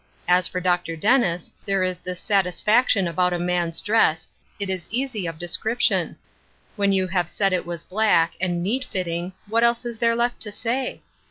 As for Dr. Dennis. There is this sat isfaction about a man's dress, it is easy of de scription. When you have said it was black, and neat>fitting, what is there left to say